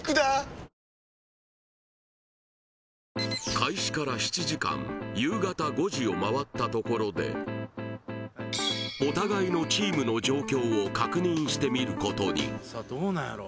開始から７時間夕方５時をまわったところでお互いのチームの状況を確認してみることにさあどうなんやろう